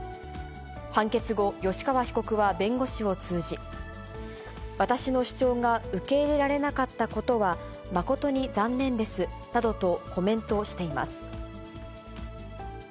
判決後、吉川被告は弁護士を通じ、私の主張が受け入れられなかったことは誠に残念ですなどとコメントしています。